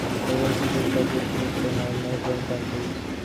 The race usually passes through Spain and neighboring countries.